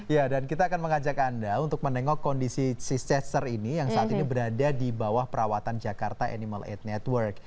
ya dan kita akan mengajak anda untuk menengok kondisi si cesar ini yang saat ini berada di bawah perawatan jakarta animal aid network